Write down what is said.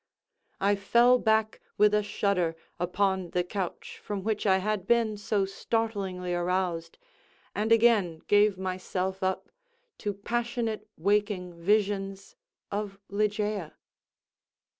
I fell back with a shudder upon the couch from which I had been so startlingly aroused, and again gave myself up to passionate waking visions of Ligeia.